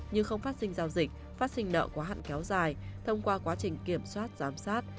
như không phát sinh giao dịch phát sinh nợ quá hạn kéo dài thông qua quá trình kiểm soát giám sát